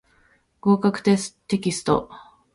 合格テキスト